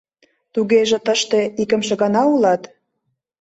— Тугеже тыште икымше гана улат?